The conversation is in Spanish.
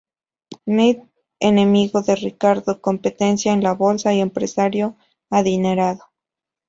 Mendel: Enemigo de Ricardo, competencia en la bolsa y empresario adinerado.